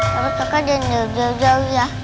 taruh kakak jauh jauh ya